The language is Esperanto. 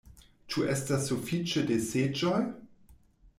Ĉu estas suﬁĉe de seĝoj?